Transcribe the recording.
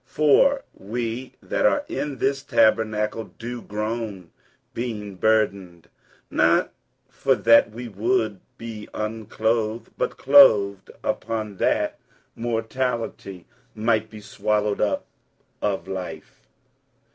47:005:004 For we that are in this tabernacle do groan, being burdened: not for that we would be unclothed, but clothed upon, that mortality might be swallowed up of life.